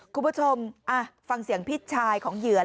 คุณผู้ชมฟังเสียงพี่ชายของเหยื่อ